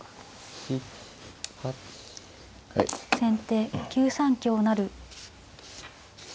先手９三香成。